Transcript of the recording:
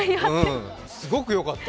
すごくよかった。